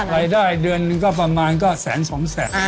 รายได้เดือนประมาณก็แสนสองแสน